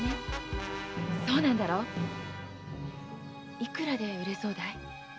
いくらで売れそうだい？